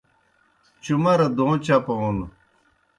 چُمرہ دوں چپون